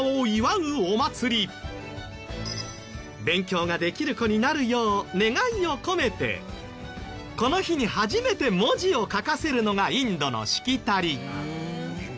勉強ができる子になるよう願いを込めてこの日に初めて文字を書かせるのがインドのしきたり。